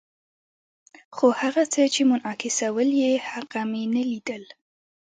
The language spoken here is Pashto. خو هغه څه چې منعکسول یې، هغه مې نه لیدل.